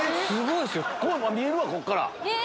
見えるわこっから。